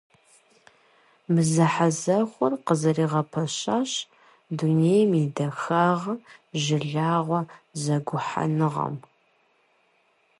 Мы зэхьэзэхуэр къызэригъэпэщащ «Дунейм и Дахагъэ» жылагъуэ зэгухьэныгъэм.